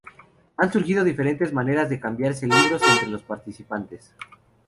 Han surgido diferentes maneras de cambiarse libros entre los participantes.